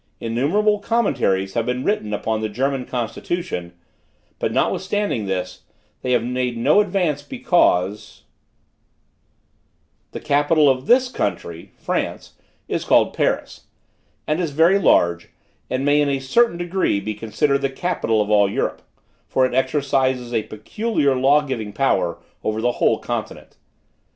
Innumerable commentaries have been written upon the German constitution, but notwithstanding this, they have made no advance because "The capital of this country (France) is called Paris, and is very large, and may in a certain degree be considered the capital of all Europe; for it exercises a peculiar law giving power over the whole continent.